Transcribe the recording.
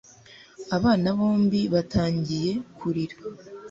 Abana bombi batangiye kurira.